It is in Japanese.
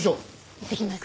いってきます。